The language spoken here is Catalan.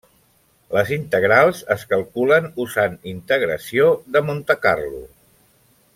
Les integrals es calculen usant integració de Montecarlo.